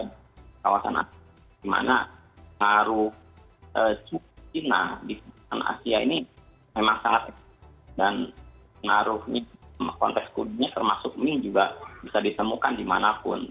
di kawasan asia dimana pengaruh china di kawasan asia ini memang sangat dan pengaruh konteks kudinya termasuk mie juga bisa ditemukan dimanapun